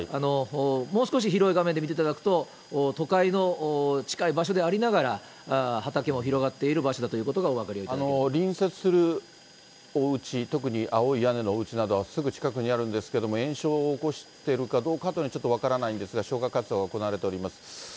もう少し広い画面で見ていただくと、都会の近い場所でありながら、畑も広がっている場所だということがお分かりいただけるかと。隣接するおうち、特に青い屋根のおうちなどはすぐ近くにあるんですけど、延焼を起こしてるどうかというのはちょっと分からないんですが、消火活動が行われております。